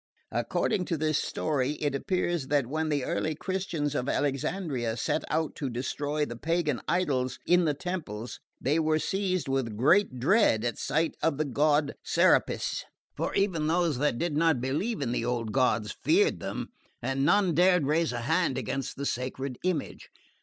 According to this story it appears that when the early Christians of Alexandria set out to destroy the pagan idols in the temples they were seized with great dread at sight of the god Serapis; for even those that did not believe in the old gods feared them, and none dared raise a hand against the sacred image.